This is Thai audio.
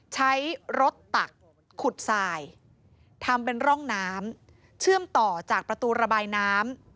ใช้รถตักขุดสายทำเป็นร่องน้ำเชื่อมต่อจากประตูระบายน้ำ